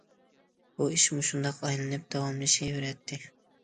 بۇ ئىش مۇشۇنداق ئايلىنىپ داۋاملىشىۋېرەتتى.